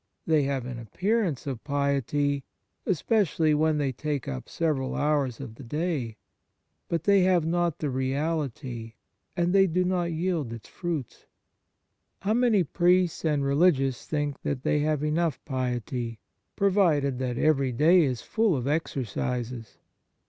They have an appear ance of piety, especially when they take up several hours of the day ; but they have not the reality, and they do not yield its fruits. How many priests and religious think that they have enough piety provided that every day is full of exercises